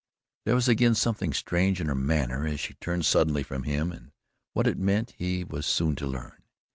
There was again something strange in her manner as she turned suddenly from him, and what it meant he was soon to learn.